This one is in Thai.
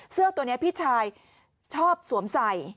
เสื้อตัวนี้พี่ชายชอบสวมใส่